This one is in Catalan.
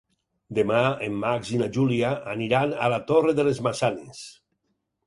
Demà en Max i na Júlia aniran a la Torre de les Maçanes.